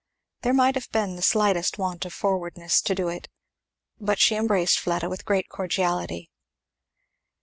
There might have been the slightest want of forwardness to do it, but she embraced Fleda with great cordiality.